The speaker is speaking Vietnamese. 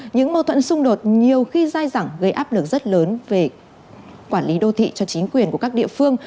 những mâu thuẫn xung đột nhiều khi dai dẳng gây áp lực rất lớn về quản lý đô thị cho chính quyền của các địa phương